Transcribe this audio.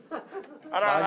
あららら。